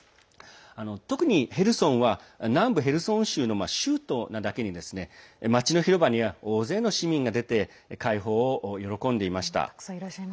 特にヘルソンは南部ヘルソン州の州都なだけに町の広場には大勢の市民が出て解放を喜んでいました。